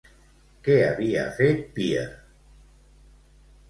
Què havia fet Píer?